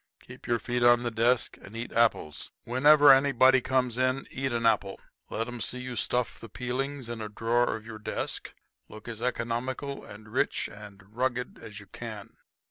Keep your feet on the desk and eat apples. Whenever anybody comes in eat an apple. Let 'em see you stuff the peelings in a drawer of your desk. Look as economical and rich and rugged as you can."